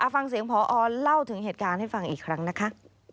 ฟังเสียงพอเล่าถึงเหตุการณ์ให้ฟังอีกครั้งนะคะ